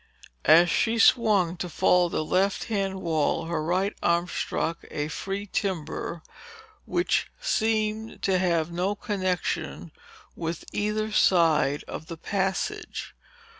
As she swung to follow the left hand wall, her right arm struck a free timber which seemed to have no connection with either side of the passage.